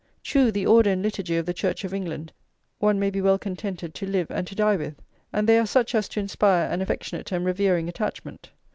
True, the order and liturgy of the Church of England one may be well contented to live and to die with, and they are such as to inspire an affectionate and revering attachment.